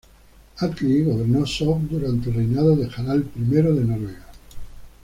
Atli gobernó Sogn durante el reinado de Harald I de Noruega.